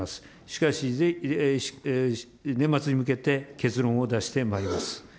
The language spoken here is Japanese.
しかし、年末に向けて結論を出してまいります。